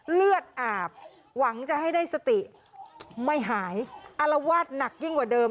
เลือดอาบหวังจะให้ได้สติไม่หายอารวาสหนักยิ่งกว่าเดิม